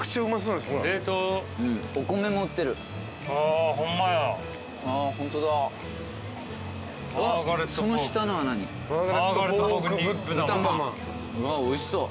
うわっおいしそう。